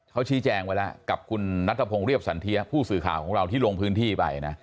เขาชี้แจงไว้แล้วกับคุณนัทพงศ์เรียบสันเทียผู้สื่อข่าวของเราที่ลงพื้นที่ไปนะ